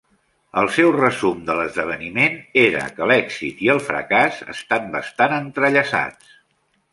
El seu resum de l'esdeveniment era que l'èxit i el fracàs estan bastant entrellaçats.